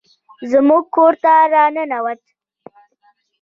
زموږ کور ته راننوت